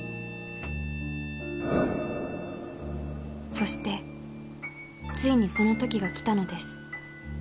そしてついにその時が来たのです